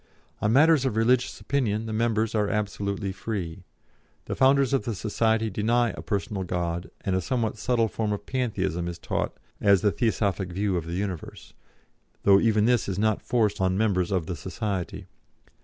On matters of religious opinion the members are absolutely free. The founders of the society deny a personal God, and a somewhat subtle form of Pantheism is taught as the Theosophic view of the universe, though even this is not forced on members of the society.